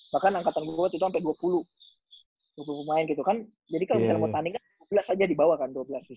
bahkan angkatan gue waktu itu sampe dua puluh pemain gitu kan jadi kalau di telepon taning kan dua belas aja dibawah kan